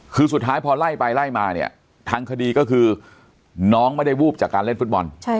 คือสุดท้ายพอไล่ไปไล่มาเนี่ยทางคดีก็คือน้องไม่ได้วูบจากการเล่นฟุตบอล